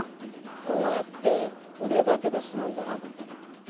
こうやって腕だけでするんじゃなくて膝！